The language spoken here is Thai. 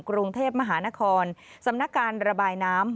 กรุงเทพมหานครสำนักการระบายน้ำ